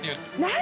何？